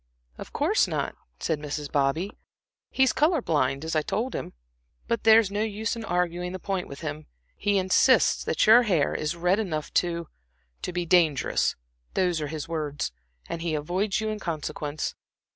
"Of course not," said Mrs. Bobby. "He is color blind, as I told him. But there's no use in arguing the point with him. He insists that your hair is red enough to to be dangerous those are his words, and he avoids you in consequence.